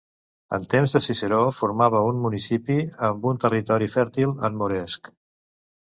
En temps de Ciceró formava un municipi amb un territori fèrtil en moresc.